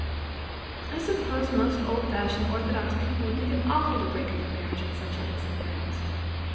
I suppose most old fashioned, orthodox people would think it awful to break up a marriage on such innocent grounds.